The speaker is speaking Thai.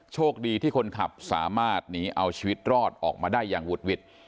โชคดีที่คนขับสามารถหนีเอาชีวิตรอดออกมาได้อย่างหุดหวิด